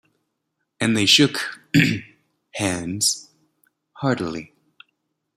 And they shook hands heartily.